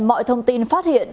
mọi thông tin phát hiện